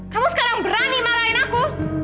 kamu sekarang berani marahin aku